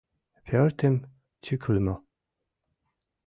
Пӧртым тӱкылымӧ.